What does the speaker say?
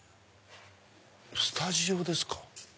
スタジオですか。